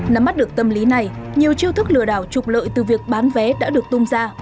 nắm mắt được tâm lý này nhiều chiêu thức lừa đảo trục lợi từ việc bán vé đã được tung ra